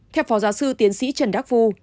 khép phó giáo sư tiến sĩ trần đắc phu